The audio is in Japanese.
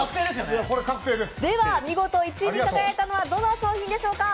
では見事１位に輝いたのはどの商品でしょうか？